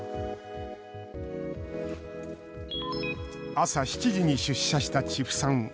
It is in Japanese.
朝７時に出社した千布さん。